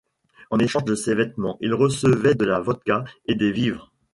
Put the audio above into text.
En échange de ces vêtements, il recevait de la vodka et des vivres.